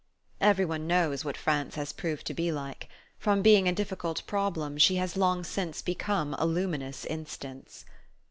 "_ Every one knows what France has proved to be like: from being a difficult problem she has long since become a luminous instance.